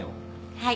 はい。